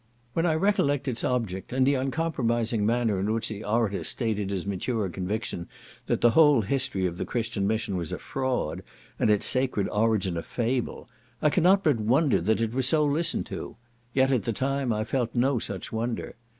When I recollect its object, and the uncompromising manner in which the orator stated his mature conviction that the whole history of the Christian mission was a fraud, and its sacred origin a fable, I cannot but wonder that it was so listened to; yet at the time I felt no such wonder.